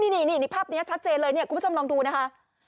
นี่ภาพนี้ชัดเจนเลยเนี่ยคุณผู้ชมลองดูนะคะ